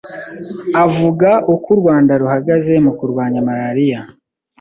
Avuga uko u Rwanda ruhagaze mu kurwanya malaria,